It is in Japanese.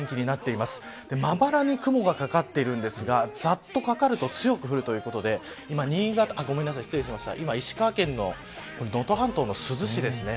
まばらに雲がかかっているんですがざっとかかると強く降るということで今、石川県の能登半島の珠洲市ですね。